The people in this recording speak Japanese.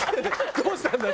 「どうしたんだよ？」